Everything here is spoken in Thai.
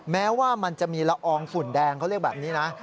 แม้ว่ามันจะมีละอองฝุ่นแดงเขาเรียกแบบนี้นะ